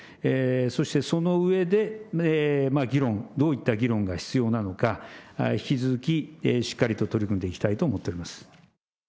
そしてその上で、議論、どういった議論が必要なのか、引き続きしっかりと取り組んでいきたいと思っております。